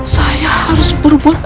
saya harus berbuat